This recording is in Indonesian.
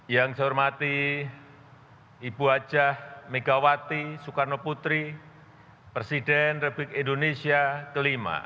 yang saya hormati ibu hajah megawati soekarno putri presiden republik indonesia ke lima